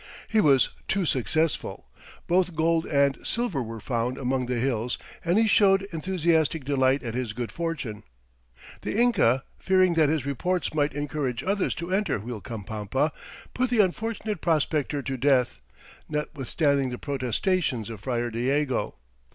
He was too successful. Both gold and silver were found among the hills and he showed enthusiastic delight at his good fortune. The Inca, fearing that his reports might encourage others to enter Uilcapampa, put the unfortunate prospector to death, notwithstanding the protestations of Friar Diego.